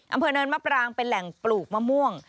อำเภอเนินมะปรางเป็นแหล่งปลูกมะม่วง